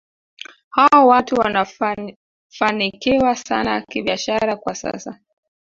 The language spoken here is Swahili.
Hawa watu wanafanikiwa sana kibiashara kwa sasa